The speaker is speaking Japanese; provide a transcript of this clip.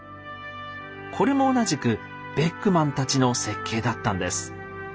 これも同じくベックマンたちの設計だったんです。